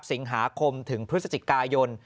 สิงหาคมถึงพฤศจิกายน